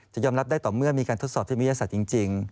จะยอมรับได้ต่อเมื่อมีการทดสอบที่วิทยาศาสตร์จริง